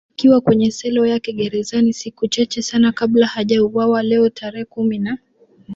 akiwa kwenye selo yake gerezani siku chache sana kabla hajauwawa Leo tarehe kumi na